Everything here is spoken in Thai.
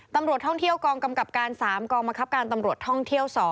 ตำรวจท่องเที่ยวกองกำกับการ๓กองบังคับการตำรวจท่องเที่ยว๒